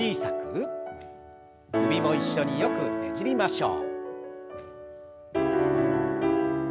首も一緒によくねじりましょう。